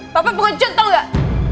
papa pengecut tau gak